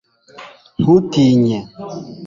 ntutinye